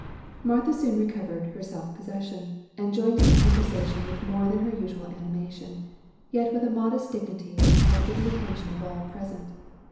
Martha soon recovered her self possession, and joined in the conversation with more than her usual animation, yet with a modest dignity which attracted the attention of all present.